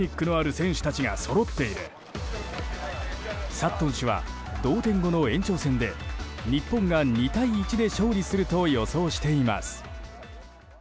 サットン氏は同点後の延長戦で日本が２対１で勝利すると予想しています。